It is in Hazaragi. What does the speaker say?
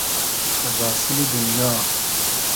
از آسیلی دونیا